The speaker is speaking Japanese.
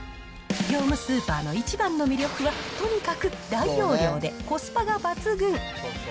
業務スーパーの一番の魅力は、とにかく大容量でコスパが抜群。